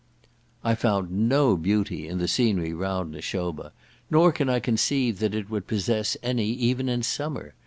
I found no beauty in the scenery round Nashoba, nor can I conceive that it would possess any even in summer.